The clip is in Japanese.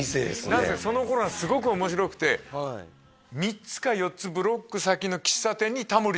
何せその頃はすごく面白くて３つか４つブロック先の喫茶店にええ！